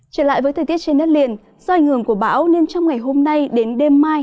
trở lại với thời tiết trên đất liền do ảnh hưởng của bão nên trong ngày hôm nay đến đêm mai